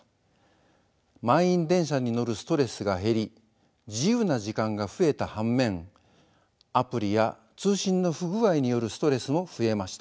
満員電車に乗るストレスが減り自由な時間が増えた反面アプリや通信の不具合によるストレスも増えました。